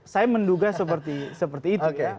saya menduga seperti itu ya